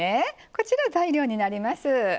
こちら材料になります。